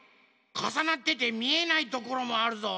かさなっててみえないところもあるぞ。